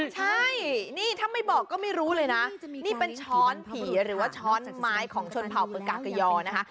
ใช่นี่ถ้าไม่บอกก็ไม่รู้เลยนะนี่เป็นช้อนผีหรือว่าช้อนไม้ของชนเผ่าปากากยอนะคะ